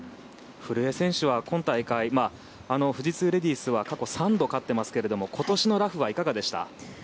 古江選手は今大会、富士通レディースは過去３度勝っていますが今年のラフはいかがでしたか？